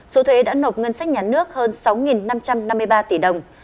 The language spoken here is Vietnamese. số thuế đã nộp ngân sách nhà nước hơn sáu năm trăm năm mươi ba tỷ đồng